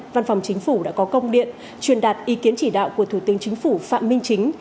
văn phòng chính phủ đã có công điện truyền đạt ý kiến chỉ đạo của thủ tướng chính phủ phạm minh chính